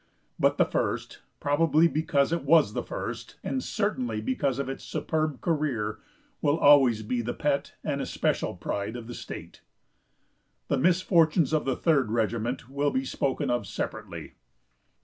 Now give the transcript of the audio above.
But the First, probably because it was the first, and certainly because of its superb career, will always be the pet and especial pride of the state. The misfortunes of the Third regiment will be spoken of separately.